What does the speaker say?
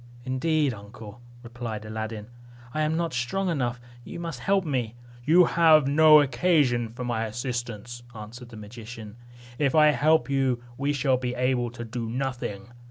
"Indeed, uncle," replied Aladdin, "I am not strong enough; you must help me." "You have no occasion for my assistance," answered the magician; "if I help you, we shall be able to do nothing.